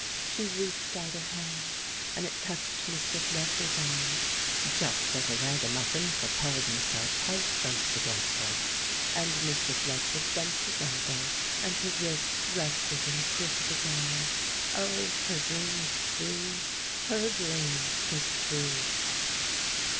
She reached out her hand, and it touched Mr. Fletcher's arm (just as a ragamuffin propelled himself head first against her), and Mr. Fletcher bent his elbow, and her wrist rested in the crook of his arm. Oh, her dream was true; her dream was true!